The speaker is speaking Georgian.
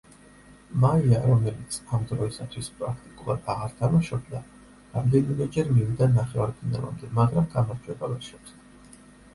მაია, რომელიც ამ დროისათვის პრაქტიკულად აღარ თამაშობდა, რამდენიმეჯერ მივიდა ნახევარფინალამდე, მაგრამ გამარჯვება ვერ შეძლო.